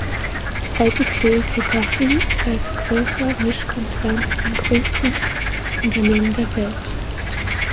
Heute zählt Hitachi als großer Mischkonzern zu den größten Unternehmen der Welt.